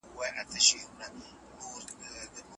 په هر وخت کي د عزت ساتنه ضروري ده.